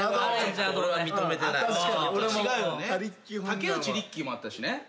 『竹内リッキー』もあったしね。